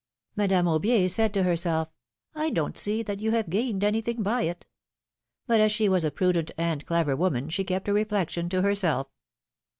Madame Aubier said to herself : I don't see that you have gained anything by it !" But as she was a prudent and clever woman, she kept her reflection to herself.